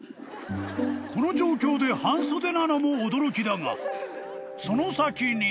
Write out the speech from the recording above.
［この状況で半袖なのも驚きだがその先に］